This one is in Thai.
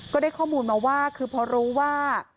ก็เลยได้ข้อมูลมาว่าเพราะรู้ว่า